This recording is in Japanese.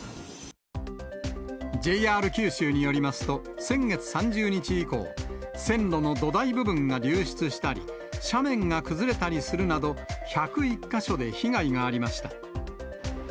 ＪＲ九州によりますと、先月３０日以降、線路の土台部分が流失したり、斜面が崩れたりするなど、１０１か所で被害がありました。